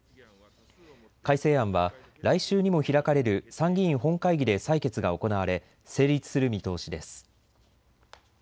改正案は来週にも開かれる参議院本会議で採決が行われ成立する見通しです。